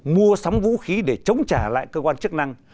mua sắm vũ khí để chống trả lại cơ quan chức năng